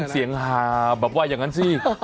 เสียงหาแบบว่าอย่างนั้นสิ